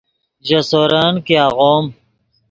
ژے سورن کہ آغوم